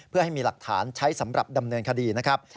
เพื่อให้มีหลักฐานใช้สำหรับดำเนินคดีนะครับ